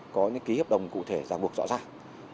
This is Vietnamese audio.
có những ký hợp đồng cụ thể ra buộc rõ ràng